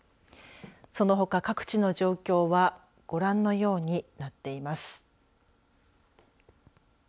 そのほか各地の状況はご覧のようになっています。